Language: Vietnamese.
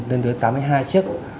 đến tới tám mươi hai chiếc